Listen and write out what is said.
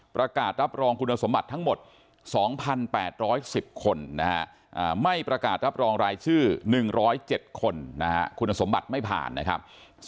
ประกาศรับรองคุณสมบัติทั้งหมด๒๘๑๐คนไม่ประกาศรับรองรายชื่อ๑๐๗คนคุณสมบัติไม่ผ่านนะครับ